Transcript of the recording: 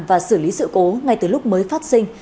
và xử lý sự cố ngay từ lúc mới phát sinh